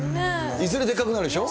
いずれでかくなるでしょ。